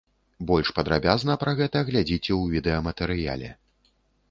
Больш падрабязна пра гэта глядзіце у відэаматэрыяле.